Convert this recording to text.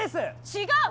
違う！